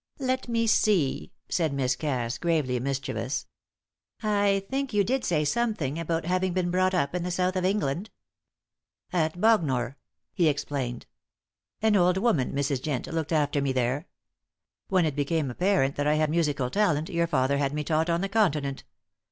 "Let me see," said Miss Cass, gravely mischievous. "I think you did say something about having been brought up in the South of England." "At Bognor," he explained. "An old woman, Mrs. Jent, looked after me there. When it became apparent that I had musical talent your father had me taught on the Continent.